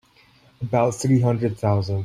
About three hundred thousand.